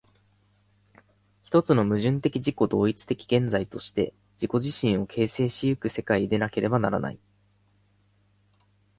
一つの矛盾的自己同一的現在として自己自身を形成し行く世界でなければならない。